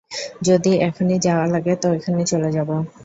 যদি এখনই যাওয়া লাগে, তো এখনই চলে যাবো।